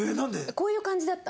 こういう感じだった？